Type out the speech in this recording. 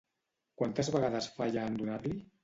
Quantes vegades falla en donar-li?